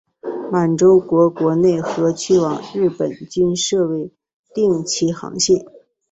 满洲国国内和去往日本均设为定期航线。